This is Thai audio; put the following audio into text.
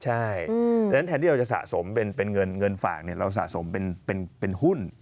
เพราะฉะนั้นแทนที่เราจะสะสมเป็นเงินฝากเราสะสมเป็นหุ้น